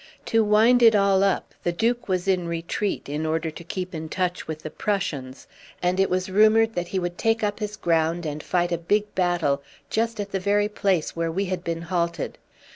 To wind it all up, the Duke was in retreat in order to keep in touch with the Prussians, and it was rumoured that he would take up his ground and fight a big battle just at the very place where we had been halted.